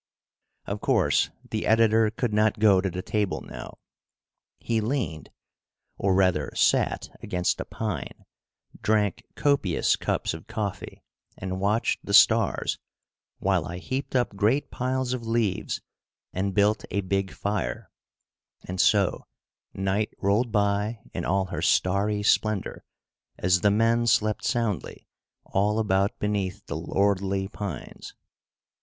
Of course the editor could not go to the table now. He leaned, or rather sat, against a pine, drank copious cups of coffee and watched the stars, while I heaped up great piles of leaves and built a big fire, and so night rolled by in all her starry splendor as the men slept soundly all about beneath the lordly pines.